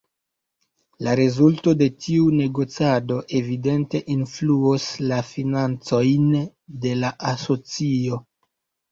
La rezulto de tiu negocado evidente influos la financojn de la asocio.